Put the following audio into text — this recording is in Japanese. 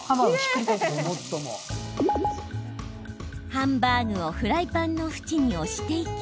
ハンバーグをフライパンの縁に押していき